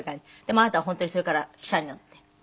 でもあなたは本当にそれから汽車に乗って。